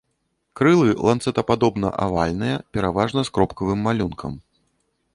Крылы ланцэтападобна-авальныя, пераважна з кропкавым малюнкам.